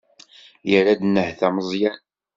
Yerra-d nnehta Meẓyan.